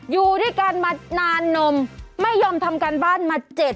อยู่ด้วยกันมานานนมไม่ยอมทำการบ้านมา๗๐